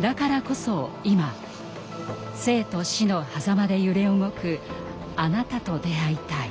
だからこそ今生と死のはざまで揺れ動く“あなた”と出会いたい。